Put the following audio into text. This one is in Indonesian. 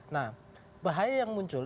nah bahaya yang muncul